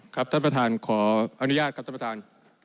ครับท่านประธานขออนุญาตครับท่านประธาน